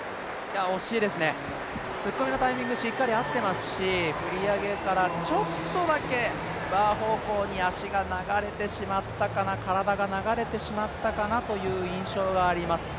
惜しいですね、突っ込みのタイミングしっかり合ってますし振り上げからちょっとだけバー方向に足が流れてしまったかな体が流れてしまったかなという印象があります。